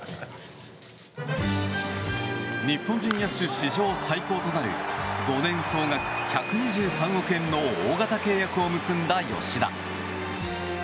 日本人野手史上最高となる５年総額１２３億円の大型契約を結んだ吉田。